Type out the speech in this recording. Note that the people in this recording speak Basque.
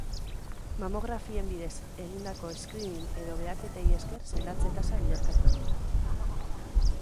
Mamografien bidez egindako screening edo baheketei esker, sendatze tasa biderkatu egiten da.